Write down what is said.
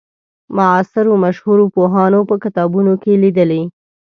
معاصرو مشهورو پوهانو په کتابونو کې لیدلې.